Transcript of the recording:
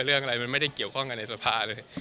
เรื่องอะไรมันไม่ได้เกี่ยวข้องกันในสภาเลย